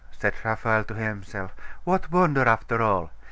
said Raphael to himself, 'what wonder, after all?